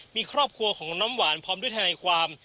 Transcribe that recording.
มีครอบครัวของน้ำหวานพร้อมด้วยทนายความ